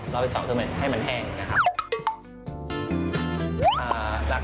รอบที่๒คือให้มันแห้งนะครับ